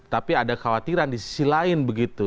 tapi ada khawatiran di sisi lain begitu